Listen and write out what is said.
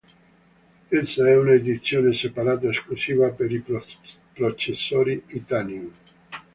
Essa è una edizione separata esclusiva per i processori Itanium.